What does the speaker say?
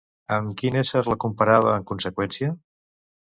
Amb quin ésser la comparava en conseqüència?